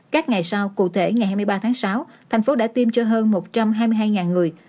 các ngày sau cụ thể ngày hai mươi ba tháng sáu thành phố đã tiêm cho hơn một trăm hai mươi hai người